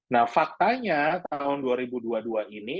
nah faktanya tahun dua ribu dua puluh dua ini